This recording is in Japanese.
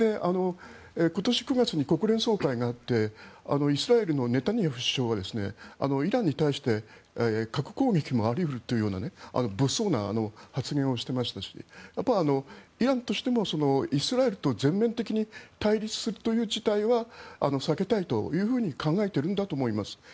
今年９月に国連総会があってイスラエルのネタニヤフ首相はイランに対して核攻撃もあり得るというような物騒な発言をしていましたしイランとしても、イスラエルと全面的に対立するという事態は避けたいというふうに考えているんだと思います。